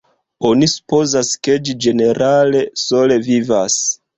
Oni supozas ke ĝi ĝenerale sole vivas.